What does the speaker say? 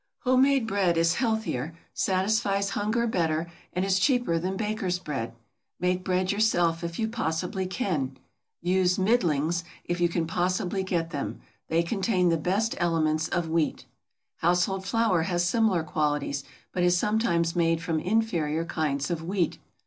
Homemade bread is healthier, satisfies hunger better, and is cheaper than bakers' bread. Make bread yourself if you possibly can. Use "middlings" if you can possibly get them; they contain the best elements of wheat. "Household Flour" has similar qualities, but is sometimes made from inferior kinds of wheat.